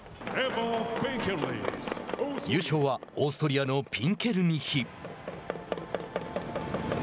優勝は、オーストリアのピンケルニッヒ。